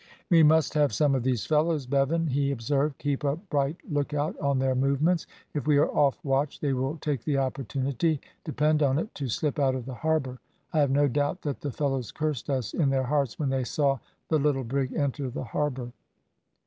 "We must have some of these fellows, Bevan," he observed, "keep a bright lookout on their movements; if we are off watch they will take the opportunity, depend on it, to slip out of the harbour; I have no doubt that the fellows cursed us in their hearts when they saw the little brig enter the harbour."